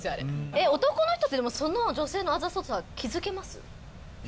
えっ男の人ってでもその女性のあざとさ気付けます？